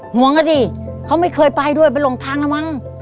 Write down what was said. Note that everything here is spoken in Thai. ห่วงกันสิเขาไม่เคยไปด้วยไปหลงทางแล้วมั้ง